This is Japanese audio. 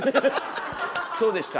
そうでした。